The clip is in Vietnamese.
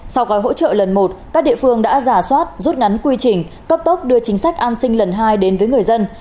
sau gói hỗ trợ lần một các địa phương đã giả soát rút ngắn quy trình cấp tốc đưa chính sách an sinh lần hai đến với người dân